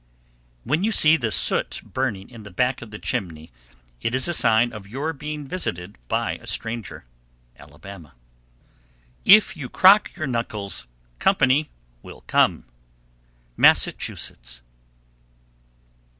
_ 793. When you see the soot burning in the back of the chimney, it is a sign of your being visited by a stranger. Alabama. 794. If you crock[TN 6] your knuckles, company will come. _Massachusetts.